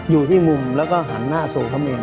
อยู่ที่มุมแล้วก็หันหน้าสู่พระเมน